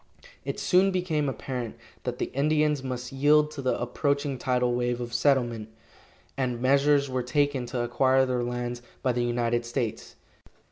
It soon became apparent that the Indians must yield to the approaching tidal wave of settlement, and measures were taken to acquire their lands by the United States.